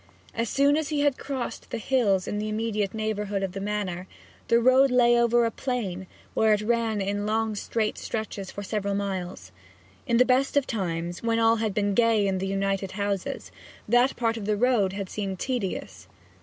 As soon as he had crossed the hills in the immediate neighbourhood of the manor, the road lay over a plain, where it ran in long straight stretches for several miles. In the best of times, when all had been gay in the united houses, that part of the road had seemed tedious.